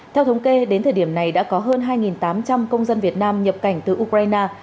theo thống kê đến thời điểm này đã có hơn hai tám trăm linh công dân việt nam nhập cảnh từ ukraine